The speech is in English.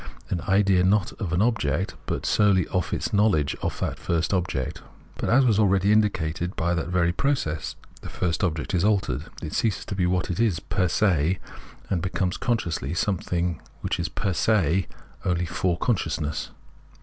an idea not of an object, but solely of its knowledge of that first object. But, as was already indicated, by that very process the first object is altered ; it ceases to be what 'is fer se, and becomes consciously something which is fer se only for consciousness.